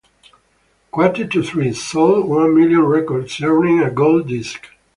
"Quarter To Three" sold one million records, earning a gold disc.